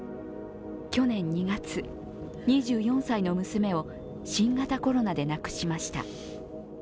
去年２月、２４歳の娘を新型コロナで亡くしました。